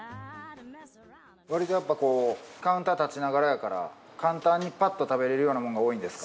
わりとやっぱこうカウンター立ちながらやから簡単にパッと食べられるようなものが多いんですか？